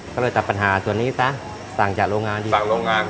ก็เลยตัดปัญหาส่วนนี้ซะสั่งจากโรงงานดีสั่งโรงงาน